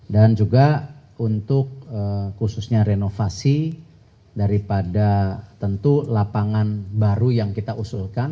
dan juga untuk khususnya renovasi daripada tentu lapangan baru yang kita usulkan